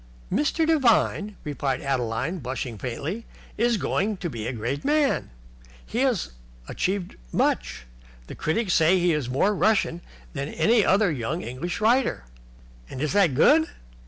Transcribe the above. "Mr. Devine," replied Adeline, blushing faintly, "is going to be a great man. Already he has achieved much. The critics say that he is more Russian than any other young English writer." "And is that good?"